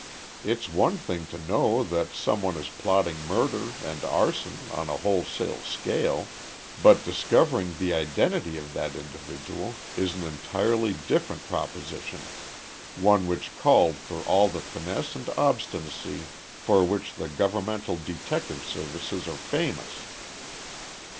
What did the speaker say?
It's one thing to know that some one is plotting murder and arson on a wholesale scale, but discovering the identity of that individual is an entirely different proposition, one which called for all the finesse and obstinacy for which the governmental detective services are famous.